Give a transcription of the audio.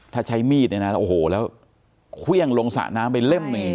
ถ้าใช้มีดในนั้นโอ้โหแล้วเครื่องลงสระน้ำไปเล่มหนึ่งอย่างนี้